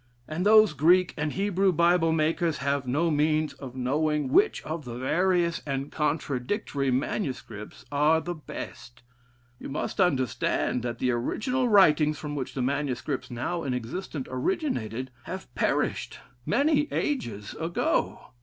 And those Greek and Hebrew Bible makers have no means of knowing which of the various and contradictory manuscripts are the best.... You must understand that the original writings from which the manuscripts now in existence originated, have perished many ages ago.